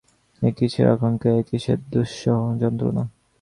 এ কিসের আকাঙক্ষা, এ কিসের দুঃসহ যন্ত্রণা।